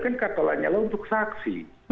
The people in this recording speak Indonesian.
itu kan kata lanya lah untuk saksi